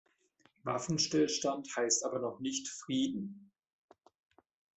Waffenstillstand heißt aber noch nicht Frieden.